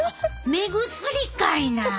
目薬かいな！